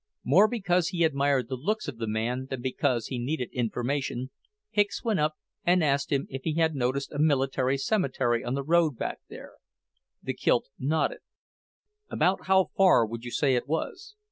More because he admired the looks of the man than because he needed information, Hicks went up and asked him if he had noticed a military cemetery on the road back. The Kilt nodded. "About how far back would you say it was?"